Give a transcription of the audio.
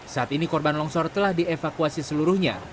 saat ini korban longsor telah dievakuasi seluruhnya